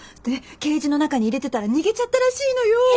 でケージの中に入れてたら逃げちゃったらしいのよ。